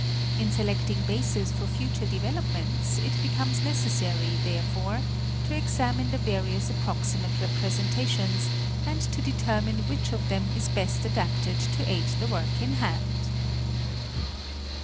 In selecting bases for future developments it becomes necessary, therefore, to examine ' the various approximate representations, and to determine which of them is best adapted to aid the work in hand.